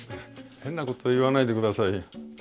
変なこと言わないでくださいよ。